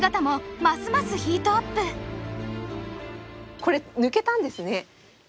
これ抜けたんですね。